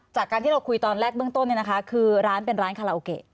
จากการที่เราคุยตอนแรกเบื้องต้นคือร้านเป็นร้านคาราโอเกะ